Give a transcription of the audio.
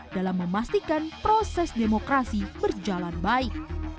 dalam memastikan proses demokrasi berjalan baik